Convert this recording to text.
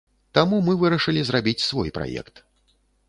Таму мы вырашылі зрабіць свой праект.